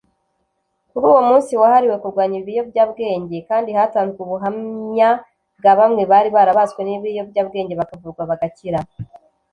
Kuri uwo munsi wahariwe kurwanya ibiyobyabwenge kandi hatanzwe ubuhamya bwa bamwe bari barabaswe n’ibiyobyabwenge bakavurwa bagakira